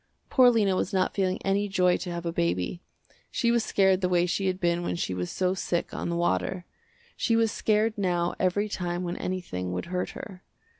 Poor Lena was not feeling any joy to have a baby. She was scared the way she had been when she was so sick on the water. She was scared now every time when anything would hurt her.